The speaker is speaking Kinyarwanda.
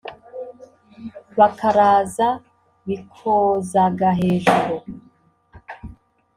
bakaraza bikozaga hejuru.